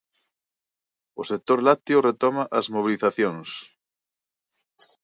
O sector lácteo retoma as mobilizacións.